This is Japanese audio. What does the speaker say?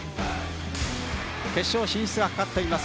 決勝進出がかかっています